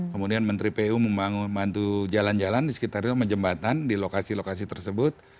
kemudian menteri pu membantu jalan jalan di sekitar itu menjembatan di lokasi lokasi tersebut